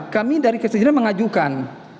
kami dari ksjn mengajukan